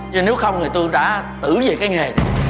chứ nếu không thì tôi đã ủ về cái nghề